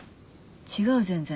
違う全然。